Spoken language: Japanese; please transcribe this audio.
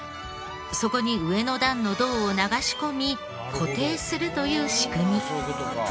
そこに上の段の銅を流し込み固定するという仕組み。